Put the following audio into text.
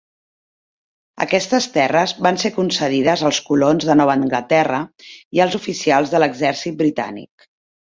Aquestes terres van ser concedides als colons de Nova Anglaterra i als oficials de l'exèrcit britànic.